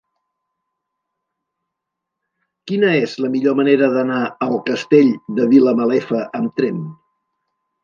Quina és la millor manera d'anar al Castell de Vilamalefa amb tren?